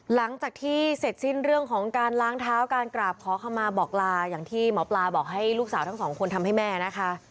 หลังจากที่เสร็จสิ้นเรื่องของการล้างเท้าการกราบขอขมาบอกลาอย่างที่หมอปลาบอกให้ลูกสาวทั้งสองคนทำให้แม่นะคะ